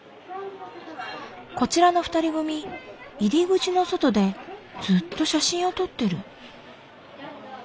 こちらの２人組入り口の外でずっと写真を撮ってる。